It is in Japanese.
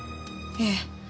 ええ。